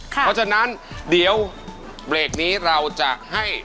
เพราะฉะนั้นเดี๋ยวเบรกนี้เราจะให้